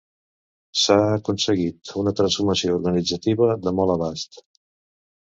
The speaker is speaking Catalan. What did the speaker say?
S'ha aconseguit una transformació organitzativa de molt abast.